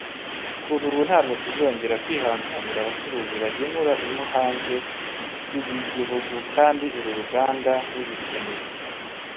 Kuva ubu ntabwo tuzongera kwihanganira abacuruzi bagemura impu hanze y’igihugu kandi uru ruganda ruzikeneye